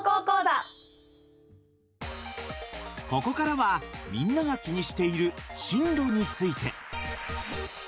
ここからはみんなが気にしている進路について。